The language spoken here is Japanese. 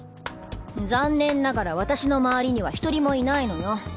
残念ながら私の周りには１人もいないのよ。